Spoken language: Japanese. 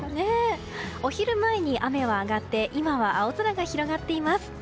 お昼前に雨は上がって今は青空が広がっています。